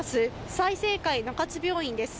済生会中津病院です。